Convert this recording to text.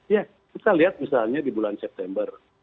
ya kita lihat misalnya di bulan september